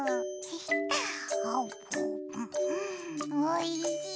おいしい！